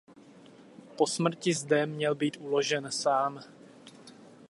Po smrti zde měl být uložen sám.